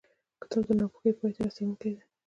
کتاب د ناپوهۍ پای ته رسوونکی دی.